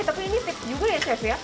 eh tapi ini tip juga ya chef ya